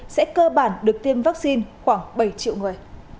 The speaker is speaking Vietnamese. sẽ cơ bản được tiêm vaccine khoảng bảy triệu người